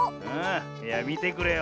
いやみてくれよ。